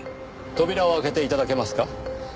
扉を開けて頂けますか？